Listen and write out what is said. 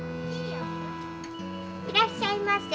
いらっしゃいませ。